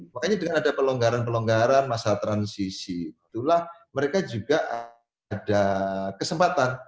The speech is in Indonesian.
makanya dengan ada pelonggaran pelonggaran masa transisi itulah mereka juga ada kesempatan